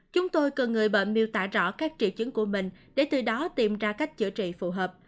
chúng tôi cần người bệnh miêu tả rõ các triệu chứng của mình để từ đó tìm ra cách chữa trị phù hợp